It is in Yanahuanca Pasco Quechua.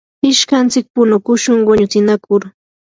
ishkantsik punukushun quñutsinakur.